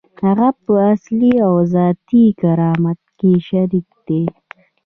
هغه په اصلي او ذاتي کرامت کې شریک دی.